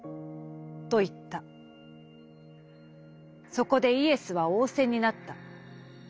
「そこでイエスは仰せになった。